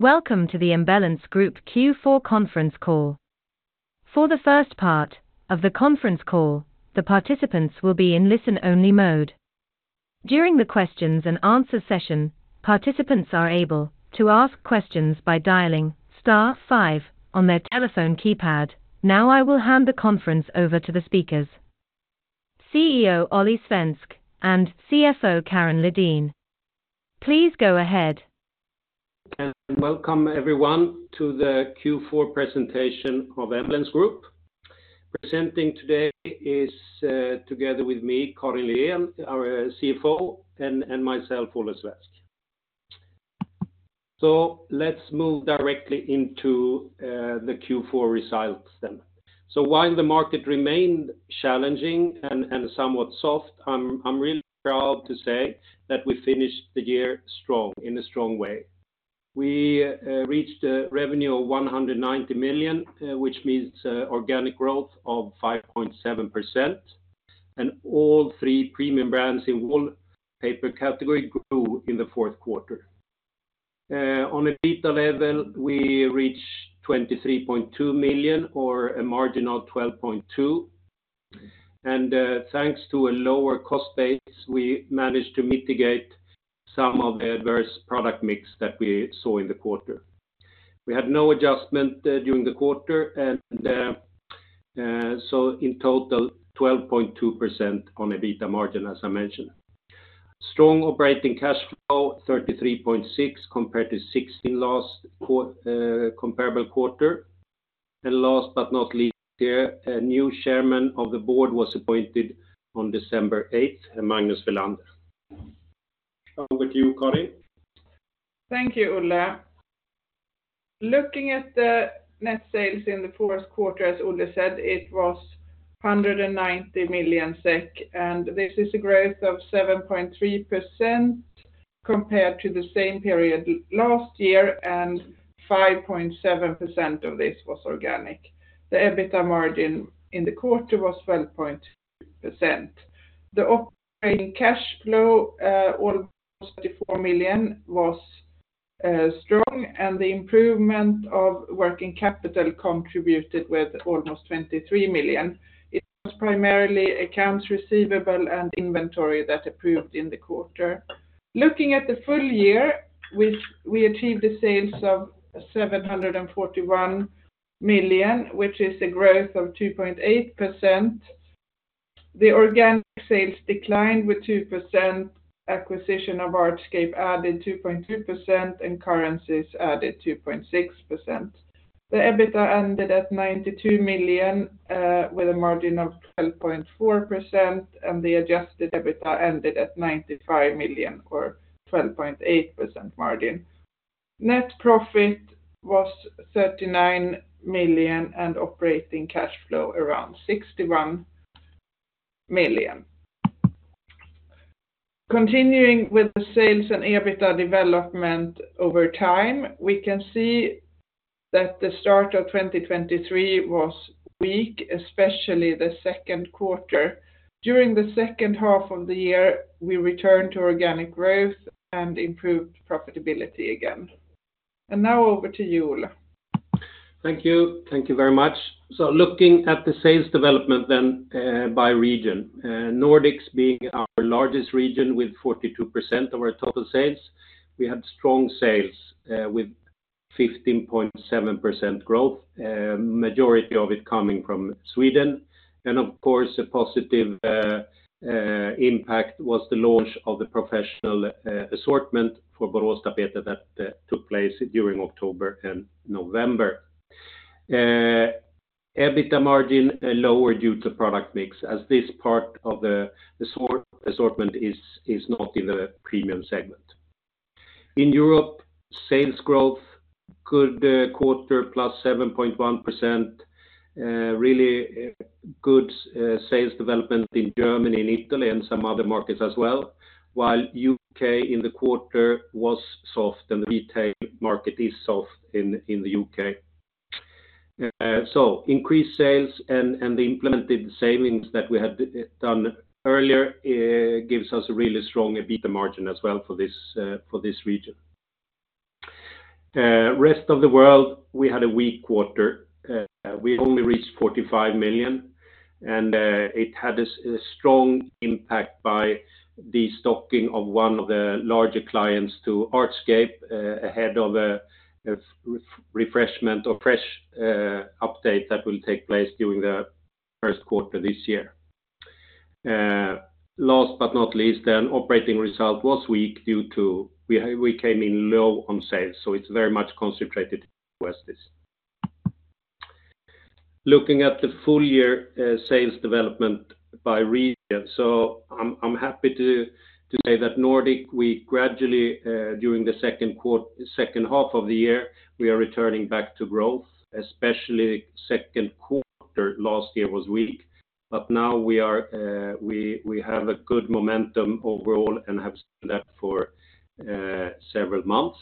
Welcome to the Embellence Group Q4 Conference Call. For the first part of the conference call, the participants will be in listen-only mode. During the questions and answer session, participants are able to ask questions by dialing star five on their telephone keypad. Now, I will hand the conference over to the speakers, CEO Olle Svensk, and CFO Karin Lidén. Please go ahead. Welcome everyone to the Q4 Presentation of Embellence Group. Presenting today is, together with me, Karin Lidén, our CFO, and myself, Olle Svensk. So let's move directly into the Q4 results then. So while the market remained challenging and somewhat soft, I'm really proud to say that we finished the year strong, in a strong way. We reached a revenue of 190 million, which means organic growth of 5.7%, and all three premium brands in wallpaper category grew in the fourth quarter. On an EBITDA level, we reached 23.2 million, or a margin of 12.2%. Thanks to a lower cost base, we managed to mitigate some of the adverse product mix that we saw in the quarter. We had no adjustment during the quarter, and so in total, 12.2% on EBITDA margin, as I mentioned. Strong operating cash flow, 33.6, compared to 16 last comparable quarter. And last but not least, a new chairman of the board was appointed on December 8th, Magnus Welander. Over to you, Karin. Thank you, Olle. Looking at the net sales in the fourth quarter, as Olle said, it was 190 million SEK, and this is a growth of 7.3% compared to the same period last year, and 5.7% of this was organic. The EBITDA margin in the quarter was 12.2%. The operating cash flow, almost 34 million, was strong, and the improvement of working capital contributed with almost 23 million. It was primarily accounts receivable and inventory that improved in the quarter. Looking at the full year, which we achieved the sales of 741 million, which is a growth of 2.8%, the organic sales declined with 2%, acquisition of Artscape added 2.2%, and currencies added 2.6%. The EBITDA ended at 92 million, with a margin of 12.4%, and the adjusted EBITDA ended at 95 million, or 12.8% margin. Net profit was 39 million, and operating cash flow around 61 million. Continuing with the sales and EBITDA development over time, we can see that the start of 2023 was weak, especially the second quarter. During the second half of the year, we returned to organic growth and improved profitability again. And now over to you, Olle. Thank you. Thank you very much. So looking at the sales development then, by region, Nordics being our largest region with 42% of our total sales, we had strong sales with 15.7% growth, majority of it coming from Sweden. And of course, a positive impact was the launch of the professional assortment for Boråstapeter that took place during October and November. EBITDA margin lower due to product mix, as this part of the assortment is not in a premium segment. In Europe, sales growth good quarter, +7.1%. Really good sales development in Germany and Italy and some other markets as well, while UK in the quarter was soft and the retail market is soft in the UK. So increased sales and the implemented savings that we had done earlier gives us a really strong EBITDA margin as well for this region. Rest of the World, we had a weak quarter. We only reached 45 million, and it had a strong impact by destocking of one of the larger clients to Artscape ahead of a refreshment or fresh update that will take place during the first quarter this year. Last but not least, an operating result was weak due to we came in low on sales, so it's very much concentrated on this. Looking at the full year, sales development by region, so I'm happy to say that Nordic, we gradually during the second half of the year, we are returning back to growth, especially second quarter last year was weak. But now we have a good momentum overall and have seen that for several months.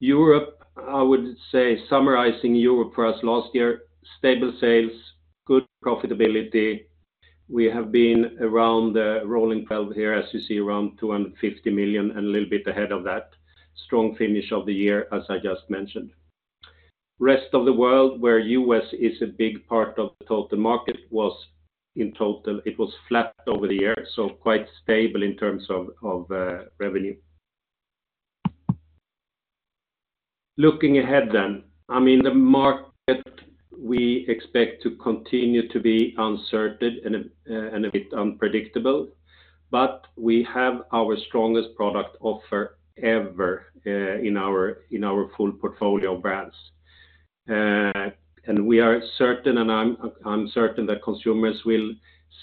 Europe, I would say, summarizing Europe for us last year, stable sales, good profitability. We have been around the rolling twelve here, as you see, around 250 million and a little bit ahead of that. Strong finish of the year, as I just mentioned. Rest of the World, where U.S. is a big part of the total market, was in total, it was flat over the year, so quite stable in terms of revenue. Looking ahead then, I mean, the market, we expect to continue to be uncertain and a bit unpredictable, but we have our strongest product offer ever, in our full portfolio of brands. And we are certain, and I'm certain that consumers will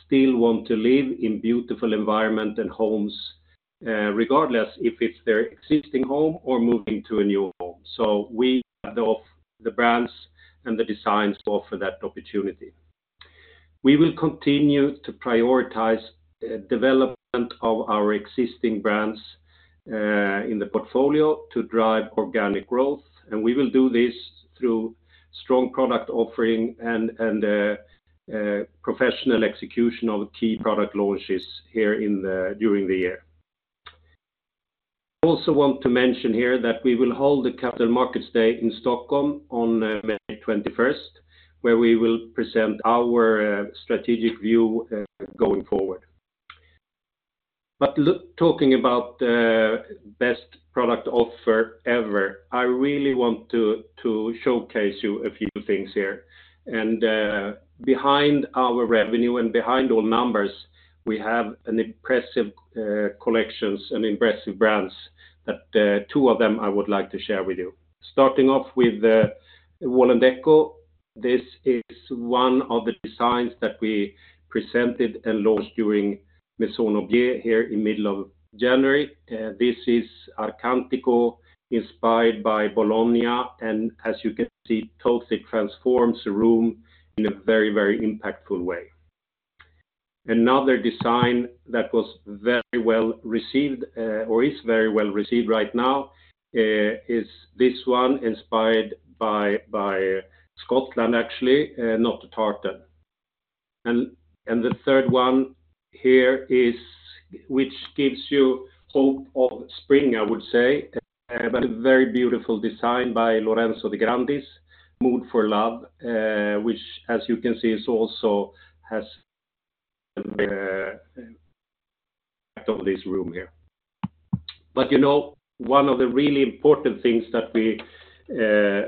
still want to live in beautiful environment and homes, regardless if it's their existing home or moving to a new home. So we have the brands and the designs to offer that opportunity. We will continue to prioritize, development of our existing brands, in the portfolio to drive organic growth, and we will do this through strong product offering and, professional execution of key product launches during the year. I also want to mention here that we will hold the Capital Markets Day in Stockholm on May 21st, where we will present our strategic view going forward. But look, talking about the best product offer ever, I really want to showcase you a few things here. And behind our revenue and behind all numbers, we have an impressive collections and impressive brands, that two of them I would like to share with you. Starting off with Wall&decò, this is one of the designs that we presented and launched during Maison&Objet here in middle of January. This is Arcantico, inspired by Bologna, and as you can see, totally transforms the room in a very, very impactful way. Another design that was very well received, or is very well received right now, is this one inspired by Scotland, actually, Not a Tartan. And the third one here is, which gives you hope of spring, I would say, but a very beautiful design by Lorenzo De Grandis, Mood for Love, which, as you can see, is also has of this room here. But you know, one of the really important things that we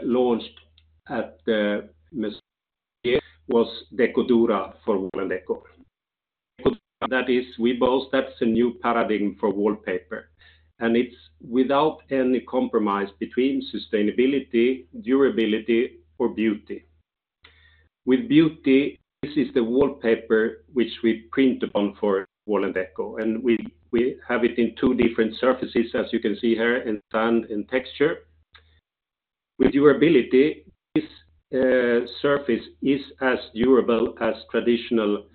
launched at the Maison was d.ecodura for Wall&decò. That is, we boast that's a new paradigm for wallpaper, and it's without any compromise between sustainability, durability, or beauty. With beauty, this is the wallpaper which we print upon for Wall&decò, and we have it in two different surfaces, as you can see here, in Sand and Texture. With durability, this surface is as durable as traditional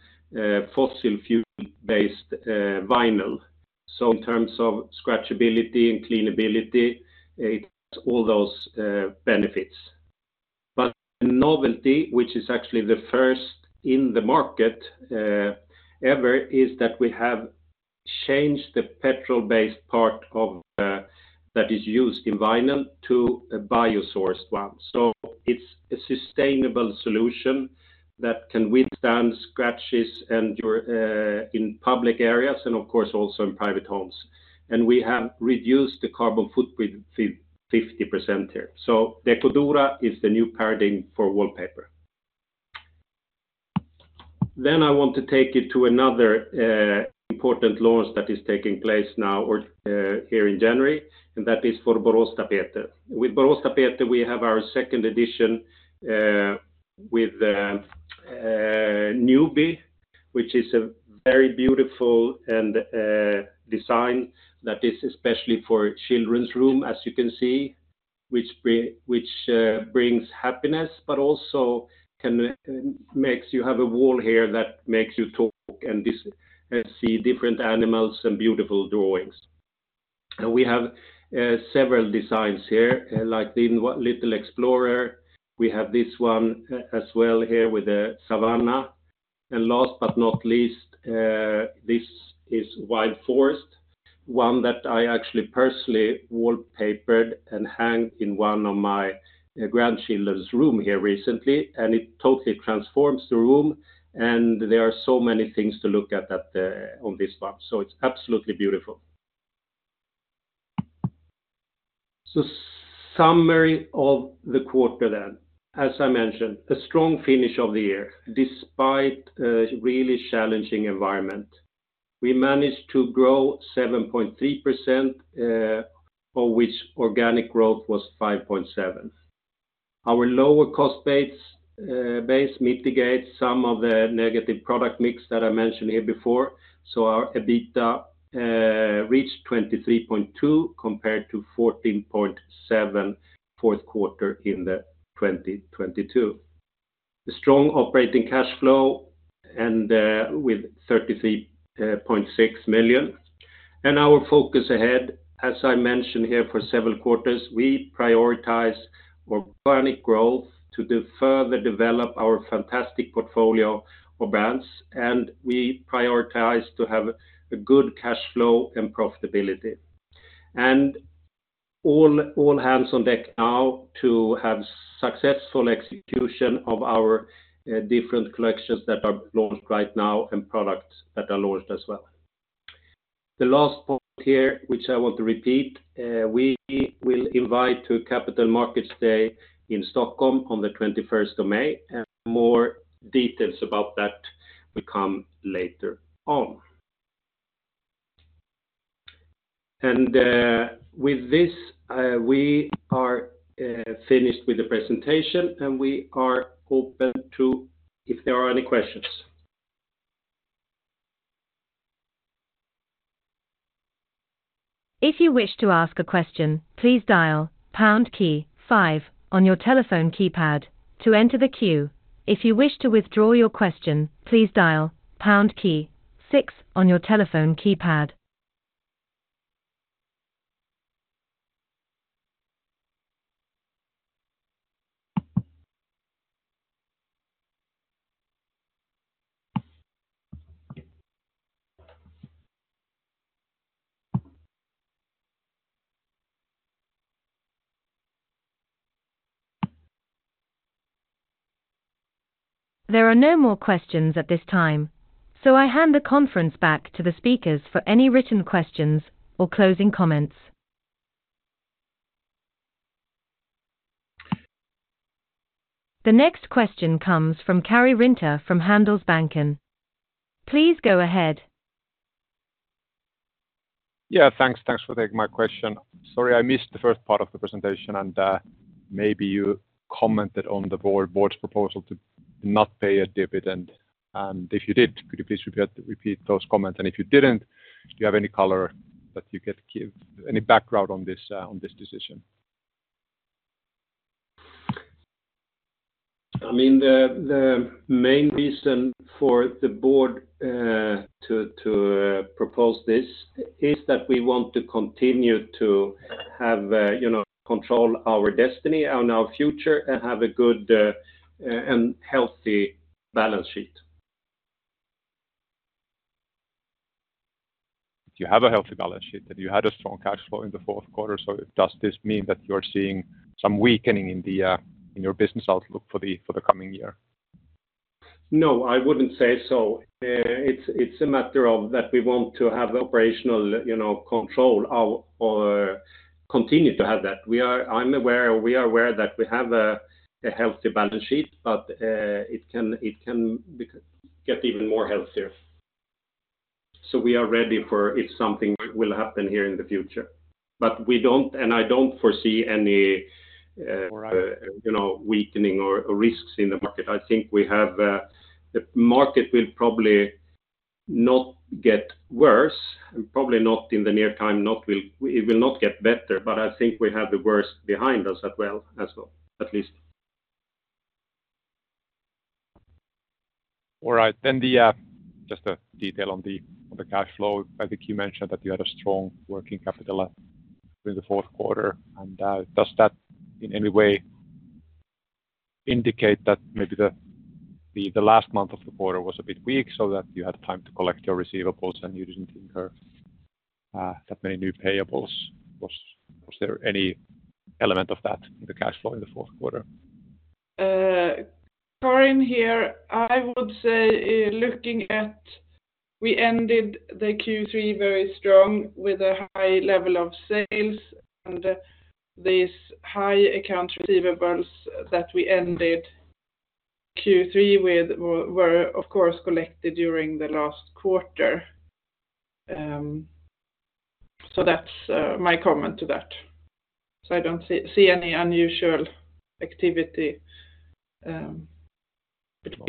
fossil fuel-based vinyl. So in terms of scratchability and cleanability, it's all those benefits. But novelty, which is actually the first in the market, ever, is that we have changed the petrol-based part of that is used in vinyl to a biosourced one. So it's a sustainable solution that can withstand scratches and in public areas, and of course, also in private homes. And we have reduced the carbon footprint 50% here. So d.ecodura is the new paradigm for wallpaper. Then I want to take you to another important launch that is taking place now or here in January, and that is for Boråstapeter. With Boråstapeter, we have our second edition with Newbie, which is a very beautiful and design that is especially for children's room, as you can see, which bring, which, brings happiness, but also can makes you have a wall here that makes you talk and this see different animals and beautiful drawings. And we have several designs here, like the one, Little Explorer. We have this one as well here with the Savannah. And last but not least, this is Wild Forest, one that I actually personally wallpapered and hanged in one of my grandchildren's room here recently, and it totally transforms the room, and there are so many things to look at that on this one. So it's absolutely beautiful. So summary of the quarter then. As I mentioned, a strong finish of the year, despite a really challenging environment. We managed to grow 7.3%, of which organic growth was 5.7%. Our lower cost base mitigate some of the negative product mix that I mentioned here before, so our EBITDA reached 23.2 million compared to 14.7 million fourth quarter in 2022. The strong operating cash flow and with 33.6 million.... Our focus ahead, as I mentioned here for several quarters, we prioritize organic growth to further develop our fantastic portfolio of brands, and we prioritize to have a good cash flow and profitability. All hands on deck now to have successful execution of our different collections that are launched right now and products that are launched as well. The last point here, which I want to repeat, we will invite to Capital Markets Day in Stockholm on the 21st of May, and more details about that will come later on. With this, we are finished with the presentation, and we are open to if there are any questions. If you wish to ask a question, please dial pound key five on your telephone keypad to enter the queue. If you wish to withdraw your question, please dial pound key six on your telephone keypad. There are no more questions at this time, so I hand the conference back to the speakers for any written questions or closing comments. The next question comes from Karri Rinta from Handelsbanken. Please go ahead. Yeah, thanks. Thanks for taking my question. Sorry, I missed the first part of the presentation, and maybe you commented on the board, board's proposal to not pay a dividend, and if you did, could you please repeat, repeat those comments, and if you didn't, do you have any color that you could give, any background on this, on this decision? I mean, the main reason for the board to propose this is that we want to continue to have, you know, control our destiny and our future and have a good and healthy balance sheet. You have a healthy balance sheet that you had a strong cash flow in the fourth quarter, so does this mean that you're seeing some weakening in your business outlook for the coming year? No, I wouldn't say so. It's a matter of that we want to have operational, you know, control or continue to have that. I'm aware, we are aware that we have a healthy balance sheet, but it can get even more healthier. So we are ready for if something will happen here in the future. But we don't, and I don't foresee any. All right... you know, weakening or risks in the market. I think we have, the market will probably not get worse, and probably not in the near time. It will not get better, but I think we have the worst behind us as well, as well, at least. All right. Then, just a detail on the cash flow. I think you mentioned that you had a strong working capital in the fourth quarter, and does that in any way indicate that maybe the last month of the quarter was a bit weak so that you had time to collect your receivables, and you didn't incur that many new payables? Was there any element of that in the cash flow in the fourth quarter? Kari, here, I would say, looking at, we ended Q3 very strong with a high level of sales, and this high account receivables that we ended Q3 with were, of course, collected during the last quarter. So that's my comment to that. So I don't see any unusual activity between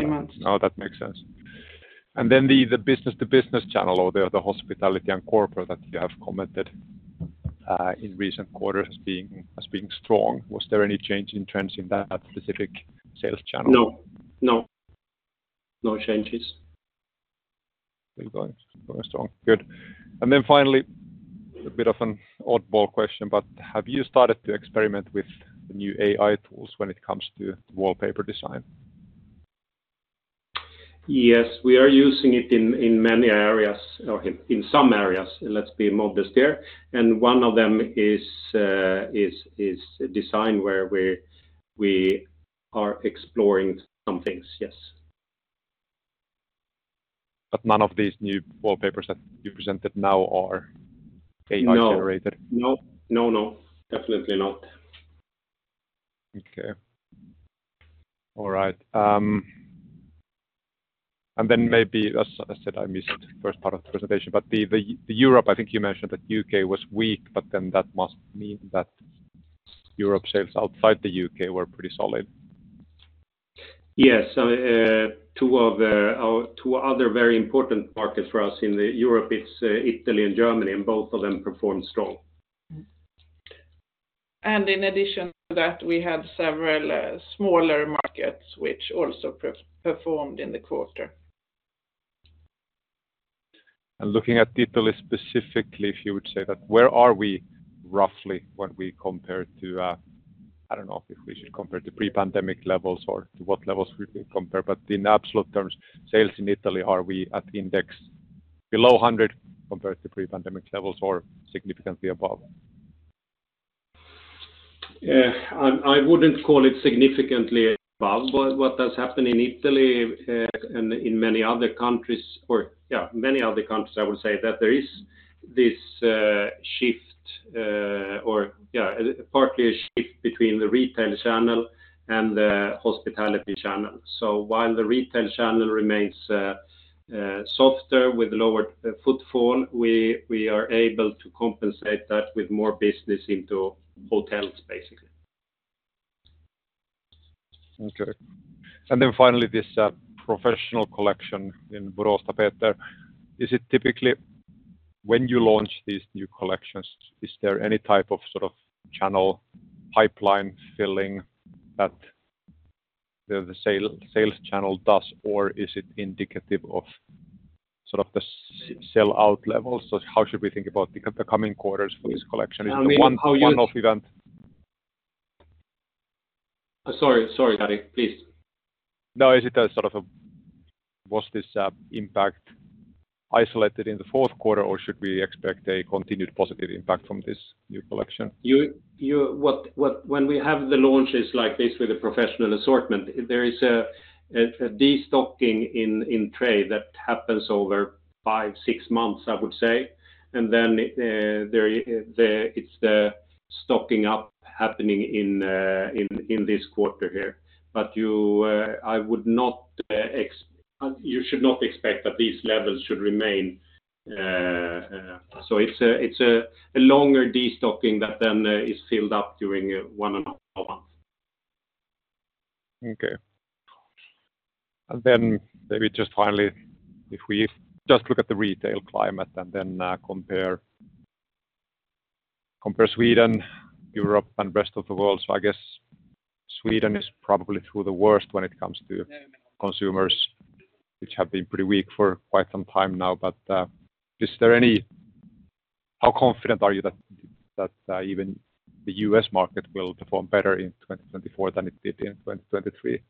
months. No, that makes sense. And then the business-to-business channel or the hospitality and corporate that you have commented in recent quarters as being strong, was there any change in trends in that specific sales channel? No, no. No changes. Still going, going strong. Good. And then finally, a bit of an oddball question, but have you started to experiment with the new AI tools when it comes to wallpaper design? Yes, we are using it in many areas, or in some areas. Let's be modest there. One of them is design, where we are exploring some things, yes. None of these new wallpapers that you presented now are AI generated? No. No, no, definitely not. Okay. All right, and then maybe, as I said, I missed the first part of the presentation, but Europe, I think you mentioned that U.K. was weak, but then that must mean that Europe sales outside the U.K. were pretty solid. Yes, two other very important markets for us in Europe, it's Italy and Germany, and both of them performed strong.... In addition to that, we have several smaller markets which also performed in the quarter. Looking at Italy specifically, if you would say that, where are we roughly when we compare to, I don't know if we should compare to pre-pandemic levels or to what levels we should compare, but in absolute terms, sales in Italy, are we at index below 100 compared to pre-pandemic levels or significantly above? I wouldn't call it significantly above, but what does happen in Italy and in many other countries, I would say that there is this shift, partly a shift between the retail channel and the hospitality channel. So while the retail channel remains softer with lower footfall, we are able to compensate that with more business into hotels, basically. Okay. And then finally, this professional collection in Boråstapeter, is it typically when you launch these new collections, is there any type of sort of channel pipeline filling that the sales channel does, or is it indicative of sort of the sell-out levels? So how should we think about the coming quarters for this collection? Is it a one-off event? Sorry, sorry, Karri, please. No, is it a sort of a... Was this, impact isolated in the fourth quarter, or should we expect a continued positive impact from this new collection? When we have the launches like this with a professional assortment, there is a destocking in trade that happens over five, six months, I would say. And then, it's the stocking up happening in this quarter here. But I would not. You should not expect that these levels should remain... So it's a longer destocking that then is filled up during one or more months. Okay. And then maybe just finally, if we just look at the retail climate and then compare Sweden, Europe, and Rest of the World. So I guess Sweden is probably through the worst when it comes to consumers, which have been pretty weak for quite some time now. But how confident are you that even the U.S. market will perform better in 2024 than it did in 2023?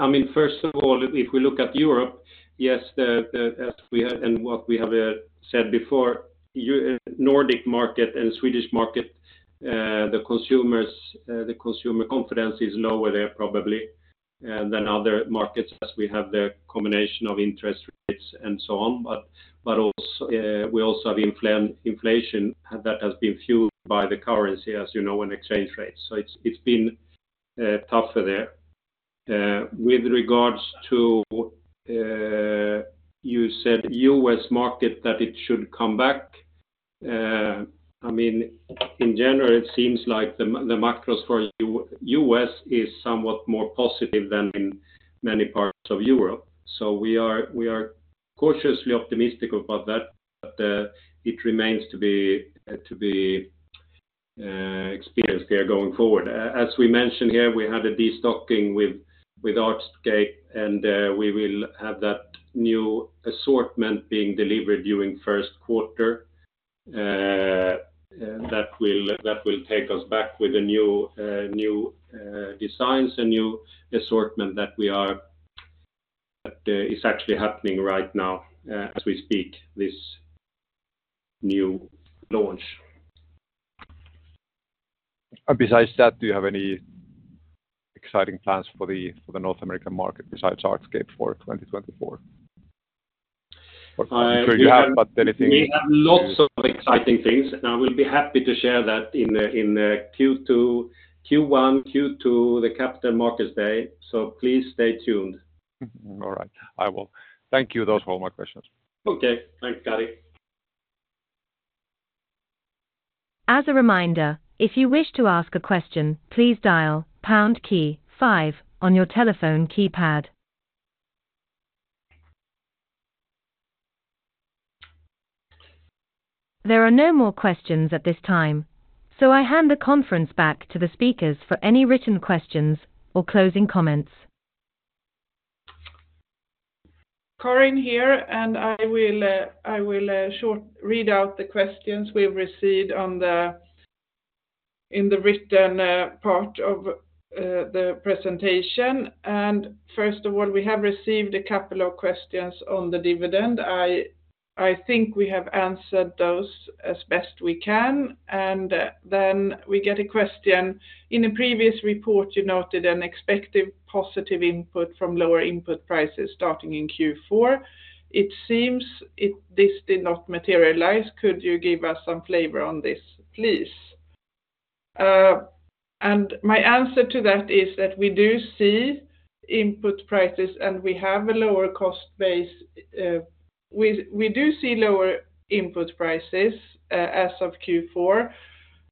I mean, first of all, if we look at Europe, yes, as we have, and what we have said before, the Nordic market and Swedish market, the consumers, the consumer confidence is lower there, probably, than other markets as we have the combination of interest rates and so on. But also, we also have inflation that has been fueled by the currency, as you know, and exchange rates. So it's been tougher there. With regards to, you said U.S. market, that it should come back, I mean, in general, it seems like the macros for the U.S. is somewhat more positive than in many parts of Europe. So we are cautiously optimistic about that, but it remains to be experienced here going forward. As we mentioned here, we had a destocking with Artscape, and we will have that new assortment being delivered during first quarter. That will take us back with a new designs and new assortment that we are-- that is actually happening right now, as we speak this new launch. Besides that, do you have any exciting plans for the, for the North American market besides Artscape for 2024? I'm sure you have, but anything- We have lots of exciting things, and I will be happy to share that in the Q1, Q2, the Capital Markets Day, so please stay tuned. All right. I will. Thank you. Those were all my questions. Okay. Thanks, Karri. As a reminder, if you wish to ask a question, please dial pound key five on your telephone keypad. There are no more questions at this time, so I hand the conference back to the speakers for any written questions or closing comments. Karin here, and I will shortly read out the questions we've received in the written part of the presentation. First of all, we have received a couple of questions on the dividend. I think we have answered those as best we can. Then we get a question: In a previous report, you noted an expected positive input from lower input prices starting in Q4. It seems this did not materialize. Could you give us some flavor on this, please? And my answer to that is that we do see input prices, and we have a lower cost base. We do see lower input prices as of Q4...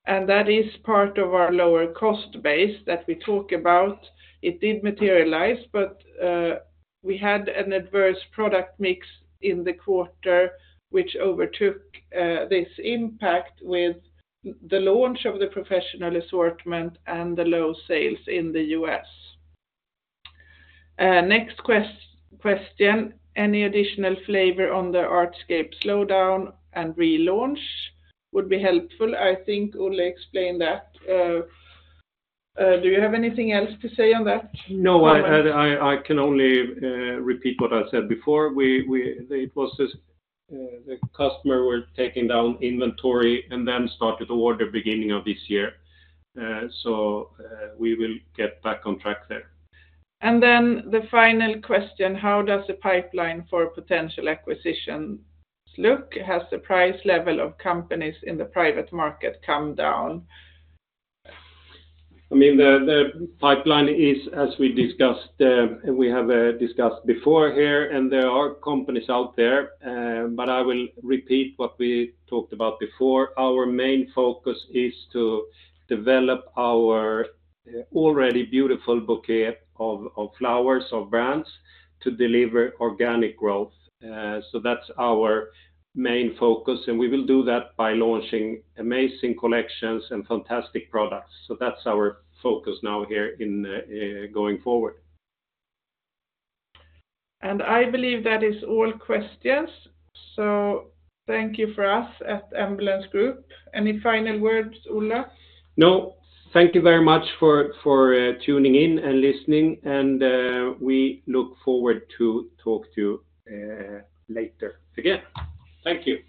And that is part of our lower cost base that we talk about. It did materialize, but we had an adverse product mix in the quarter, which overtook this impact with the launch of the professional assortment and the low sales in the U.S. Next question, any additional flavor on the Artscape slowdown and relaunch would be helpful? I think Olle explained that. Do you have anything else to say on that? No, I can only repeat what I said before. It was just the customer were taking down inventory and then started toward the beginning of this year. So, we will get back on track there. And then the final question: How does the pipeline for potential acquisitions look? Has the price level of companies in the private market come down? I mean, the pipeline is, as we discussed, we have discussed before here, and there are companies out there, but I will repeat what we talked about before. Our main focus is to develop our already beautiful bouquet of flowers, of brands, to deliver organic growth. So that's our main focus, and we will do that by launching amazing collections and fantastic products. So that's our focus now here in going forward. I believe that is all questions, so thank you for us at Embellence Group. Any final words, Olle? No. Thank you very much for tuning in and listening, and we look forward to talk to you later again. Thank you.